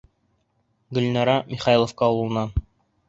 Гөлнара — Михайловка ауылынан.